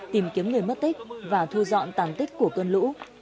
tìm kiếm người mất tích và thu dọn tàng tích của cơn lũ